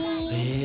え